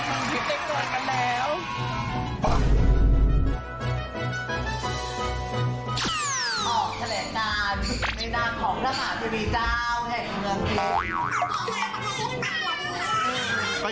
ออกเเคลงดาลน์นะในดาลของทำหาดมิวดีเจ้าไงตั้งเนื่องจริง